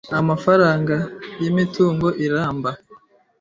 amafaranga y’imitungo iramba